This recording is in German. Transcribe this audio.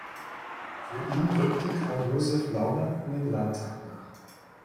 Für ihn rückte Karl-Josef Laumann in den Landtag nach.